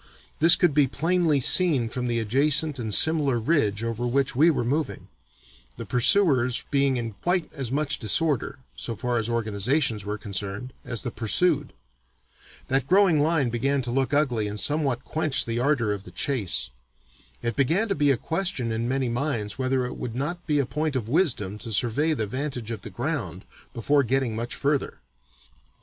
This could be plainly seen from the adjacent and similar ridge over which we were moving, the pursuers being in quite as much disorder (so far as organizations were concerned) as the pursued. That growing line began to look ugly and somewhat quenched the ardor of the chase. It began to be a question in many minds whether it would not be a point of wisdom 'to survey the vantage of the ground' before getting much further.